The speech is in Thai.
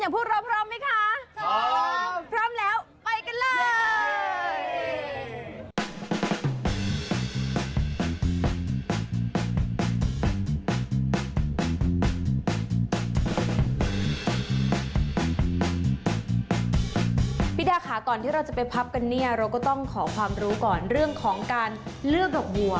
พี่ดาพร้อมไหมคะก่อนที่เราจะไปพับกันเนี่ยเราก็ต้องขอความรู้ก่อนเรื่องของการเลือกดอกบัว